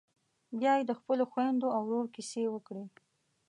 بيا یې د خپلو خويندو او ورور کيسې وکړې.